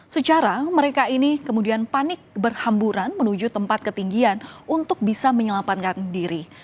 secara mereka ini kemudian panik berhamburan menuju tempat ketinggian untuk bisa menyelamatkan diri